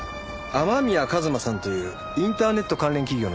雨宮一馬さんというインターネット関連企業の社長です。